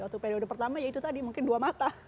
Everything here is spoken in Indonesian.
waktu periode pertama ya itu tadi mungkin dua mata